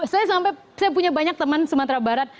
saya sampai saya punya banyak teman sumatera barat